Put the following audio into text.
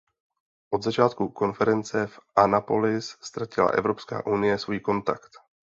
Od začátku konference v Annapolis ztratila Evropská unie svůj kontakt.